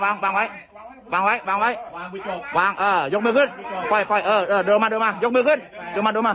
วางไว้วางเออยกมือขึ้นค่อยเออเดินมายกมือขึ้น